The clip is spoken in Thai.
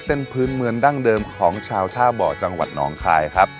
เส้นพื้นเมืองดั้งเดิมของชาวท่าเบาะจังหวัดหนองคายครับ